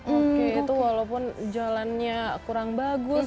oke itu walaupun jalannya kurang bagus